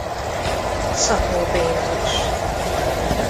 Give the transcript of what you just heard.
Szabó Béla is.